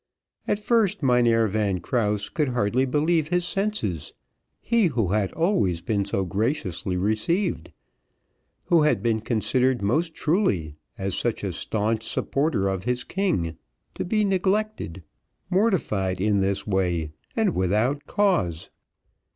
At first, Mynheer Van Krause could hardly believe his senses, he who had always been so graciously received, who had been considered most truly as such a staunch supporter of his king, to be neglected, mortified in this way, and without cause.